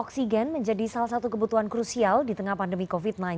oksigen menjadi salah satu kebutuhan krusial di tengah pandemi covid sembilan belas